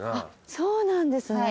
そうなんですね。